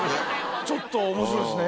ちょっと面白いですね。